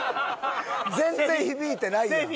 全然響いてないやん。